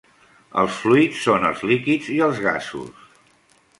Els fluids són els líquids i els gasos.